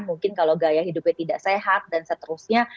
mungkin kalau gaya hidupnya tidak sehat dan seterusnya